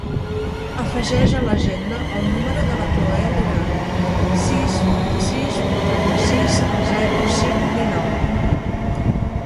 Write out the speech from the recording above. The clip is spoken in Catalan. Afegeix a l'agenda el número de la Cloè Duran: sis, vint-i-sis, vuitanta-sis, zero, cinc, dinou.